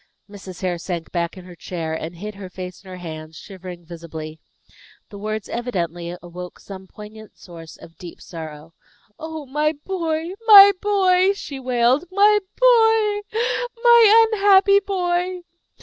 Mrs. Hare sank back in her chair, and hid her face in her hands, shivering visibly. The words evidently awoke some poignant source of deep sorrow. "Oh, my boy! My boy!" she wailed "my boy! My unhappy boy!